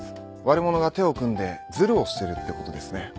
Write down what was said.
悪者が手を組んでずるをしてるってことですね。